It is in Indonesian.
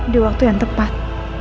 di waktu yang tepat